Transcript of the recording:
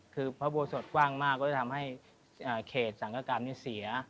คือพระโบสถกว้างมากก็จะทำให้เขตสังกกรรมนี้เสีย